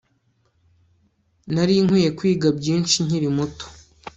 Nari nkwiye kwiga byinshi nkiri muto